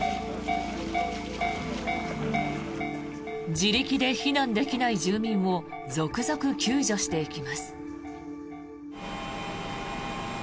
自力で避難できない住民を続々、救助していきます。